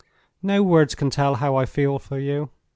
No words can tell how I feel for you!